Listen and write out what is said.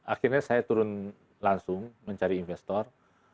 akhirnya saya turun langsung mencari investor